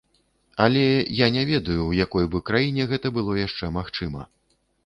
Але я не ведаю, у якой бы краіне гэта было яшчэ магчыма.